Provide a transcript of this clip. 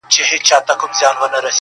د ریا کارو زاهدانو ټولۍ٫